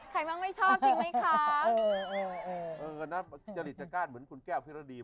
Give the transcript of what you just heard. จะได้จัดงานมีหัวเป็นตัวเป็นตนไหม